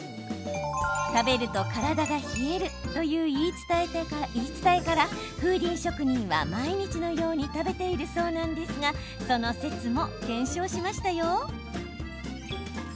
食べると体が冷えるという言い伝えから風鈴職人は、毎日のように食べているそうなんですがその説も検証しましたよ。